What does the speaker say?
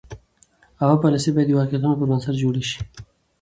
عامه پالیسۍ باید د واقعیتونو پر بنسټ جوړې شي.